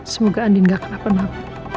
semoga andien gak kena penamp